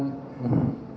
untuk membuat berkaya